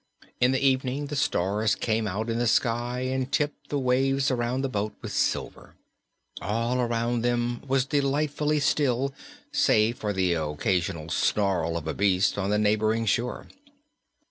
In the evening the stars came out in the sky and tipped the waves around their boat with silver. All around them was delightfully still save for the occasional snarl of a beast on the neighboring shore.